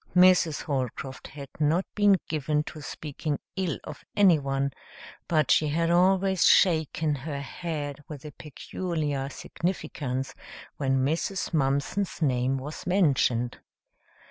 Mrs. Holcroft had not been given to speaking ill of anyone, but she had always shaken her head with a peculiar significance when Mrs. Mumpson's name was mentioned.